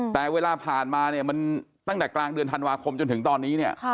แต่เวลาผ่านมาตั้งแต่กลางเดือนธันวาคมจนถึงตอนนี้